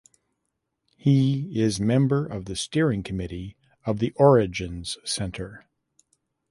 He is member of the steering committee of the Origins Center.